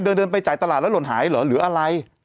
เดินไปจ่ายตลาดแล้วหล่นหายเหรอหรืออะไร